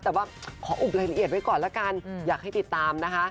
แต่ว่าขออุบรายละเอียดไว้ก่อนละกันอยากให้ติดตามนะคะ